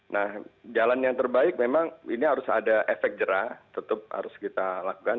nah jalan yang terbaik memang ini harus ada efek jerah tetap harus kita lakukan